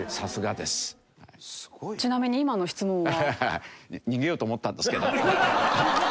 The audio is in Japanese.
ちなみに今の質問は？